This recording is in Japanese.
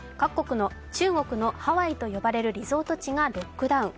中国のハワイと呼ばれるリゾート地がロックダウン。